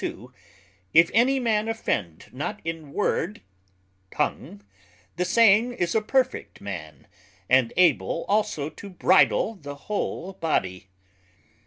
If any man offend not in word (tongue) _the same is a perfect man, and able also to bridle the whole body.